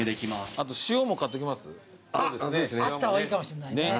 あった方がいいかもしんないね。